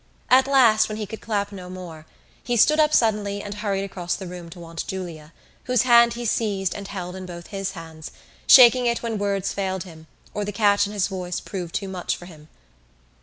At last, when he could clap no more, he stood up suddenly and hurried across the room to Aunt Julia whose hand he seized and held in both his hands, shaking it when words failed him or the catch in his voice proved too much for him.